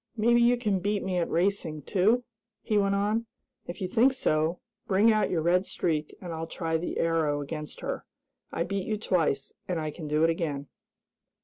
"Maybe you can beat me at racing, too?" he went on. "If you think so, bring out your Red Streak and I'll try the Arrow against her. I beat you twice, and I can do it again!"